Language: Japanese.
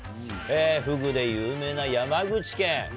フグで有名な山口県。